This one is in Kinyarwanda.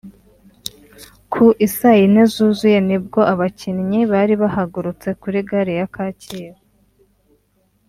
Ku i saa yine zuzuye ni bwo abakinnyi bari bahagurutse kuri gare ya Kacyiru